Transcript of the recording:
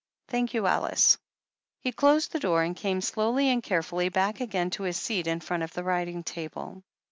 Thank you, Alice." He closed the door, and came slowly and carefully back again to his seat in front of the writing table.